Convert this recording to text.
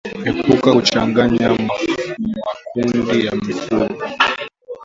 Epuka kuchanganya makundi ya mifugo